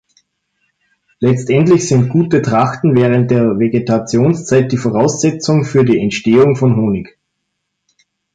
Letztendlich sind gute Trachten während der Vegetationszeit die Voraussetzung für die Entstehung von Honig.